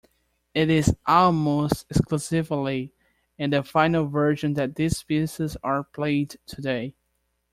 It is almost exclusively in the final version that these pieces are played today.